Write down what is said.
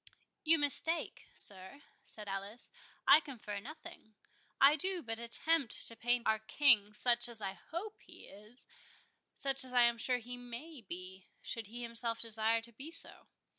"You mistake, sir," said Alice. "I confer nothing. I do but attempt to paint our King such as I hope he is—such as I am sure he may be, should he himself desire to be so.